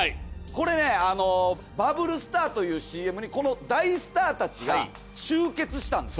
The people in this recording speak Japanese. これねバブルスターというＣＭにこの大スターたちが集結したんです。